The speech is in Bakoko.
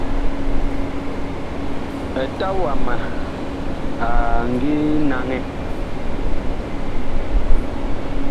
Eta wama a ngi naŋɛ.